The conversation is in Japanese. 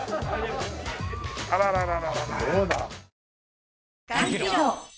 あららら。